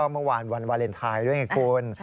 เมื่อวานวันวาเลนไทยด้วยไงคุณ